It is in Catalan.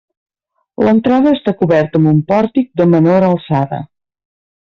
L'entrada està coberta amb un pòrtic de menor alçada.